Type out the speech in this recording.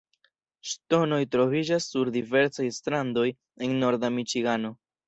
Ŝtonoj troviĝas sur diversaj strandoj en norda Miĉigano.